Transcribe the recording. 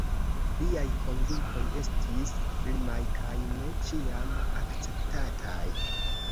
Liaj konvinkoj estis firmaj kaj ne ĉiam akceptataj.